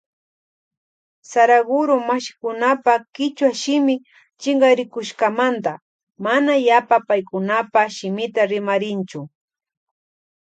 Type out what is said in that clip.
Saraguro mashikunapa kichwa shimi chinkarikushkamanta mana yapa paykunapa shimita rimarinchu.